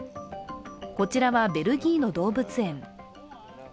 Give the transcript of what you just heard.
こちらはベルギーの動物園。